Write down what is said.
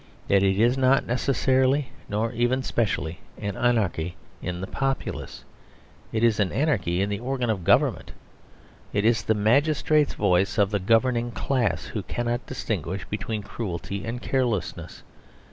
That it is not necessarily, nor even specially, an anarchy in the populace. It is an anarchy in the organ of government. It is the magistrates voices of the governing class who cannot distinguish between cruelty and carelessness.